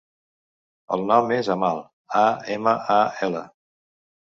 El nom és Amal: a, ema, a, ela.